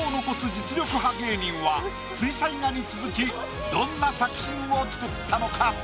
実力派芸人は水彩画に続きどんな作品を作ったのか？